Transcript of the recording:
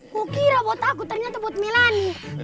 kukira buat aku ternyata buat melani